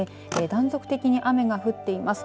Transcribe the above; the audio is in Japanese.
断続的に雨が降っています。